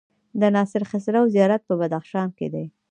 د ناصر خسرو زيارت په بدخشان کی دی